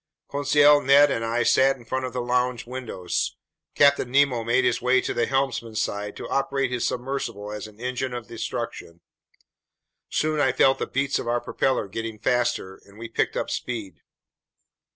Conseil, Ned, and I sat in front of the lounge windows. Captain Nemo made his way to the helmsman's side to operate his submersible as an engine of destruction. Soon I felt the beats of our propeller getting faster, and we picked up speed.